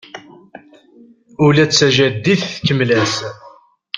Ula d tajadit tkemmel-as.